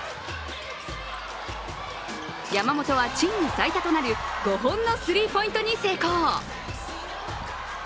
山本はチーム最多となる５本のスリーポイントに成功。